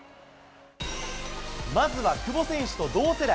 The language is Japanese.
まずは久保選手と同世代。